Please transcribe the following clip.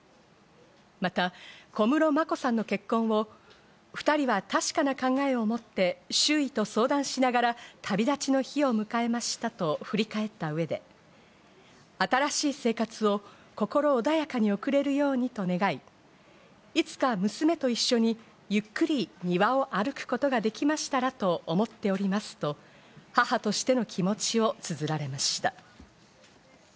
また小室眞子さんの結婚を２人は確かな考えを持って周囲と相談しながら、旅立ちの日を迎えましたと振り返った上で、新しい生活を心穏やかに送れるようにと願い、いつか娘と一緒にゆっくり庭を歩くことができましたらと思っておりますと母としての気持ちを綴られました。